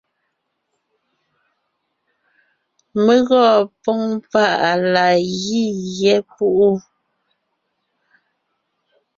Mé gɔɔn póŋ páʼ láʼ gí gyɛ́ púʼu.